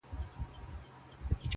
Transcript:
یو په یو یې ور حساب کړله ظلمونه!.